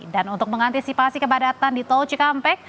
dan untuk mengantisipasi kepadatan di tol cikampek